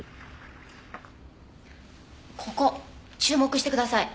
ここ注目してください。